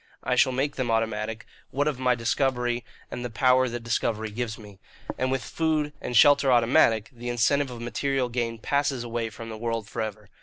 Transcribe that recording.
I shall make them automatic, what of my discovery and the power that discovery gives me. And with food and shelter automatic, the incentive of material gain passes away from the world for ever.